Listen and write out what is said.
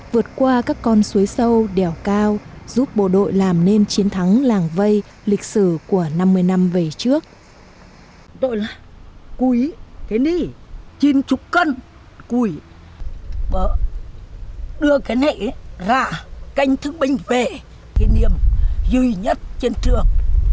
vượt qua các con suối sâu đèo cao giúp bộ đội làm nên chiến thắng làng vây lịch sử của năm mươi năm về trước